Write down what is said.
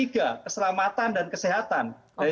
keselamatan dan kesehatan